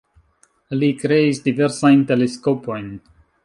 Li kreis diversajn teleskopojn.